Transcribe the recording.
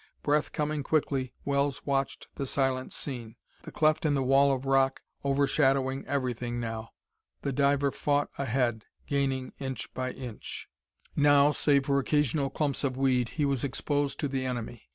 Breath coming quickly, Wells watched the silent scene the cleft in the wall of rock overshadowing everything now. The diver fought ahead, gaining inch by inch. Now, save for occasional clumps of weed, he was exposed to the enemy....